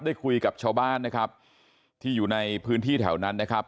ได้คุยกับชาวบ้านนะครับที่อยู่ในพื้นที่แถวนั้นนะครับ